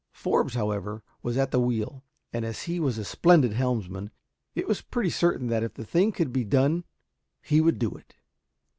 Forbes, however, was at the wheel, and as he was a splendid helmsman, it was pretty certain that if the thing could be done he would do it.